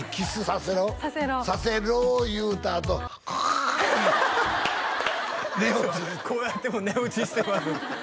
「させろ」「させろ」を言うたあとこうやってもう寝落ちしてます